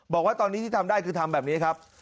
บอกว่าตอนนี้ที่ทำได้คือทำแบบนี้ครับ